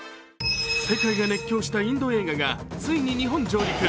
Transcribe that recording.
世界が熱狂したインド映画がついに日本上陸。